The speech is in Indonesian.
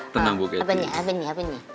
tenang bu kety